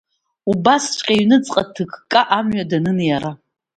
Убасҵәҟьа иҩныҵҟа ҭыкка, амҩа данын иара.